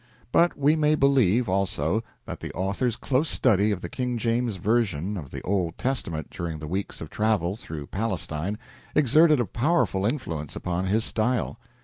But we may believe, also, that the author's close study of the King James version of the Old Testament during the weeks of travel through Palestine exerted a powerful influence upon his style.